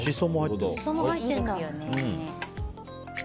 シソも入ってるんだ。